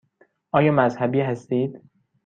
آیا مذهبی هستید؟